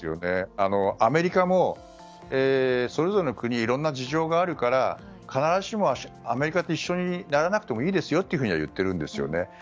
アメリカも、それぞれの国にいろんな事情があるから必ずしもアメリカと一緒にならなくてもいいですよと言っているんですね。